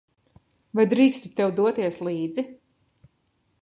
Vai drīkstu tev doties līdzi?